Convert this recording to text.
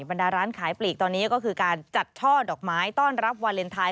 บรรดาร้านขายปลีกตอนนี้ก็คือการจัดช่อดอกไม้ต้อนรับวาเลนไทย